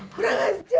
kurang ajar itu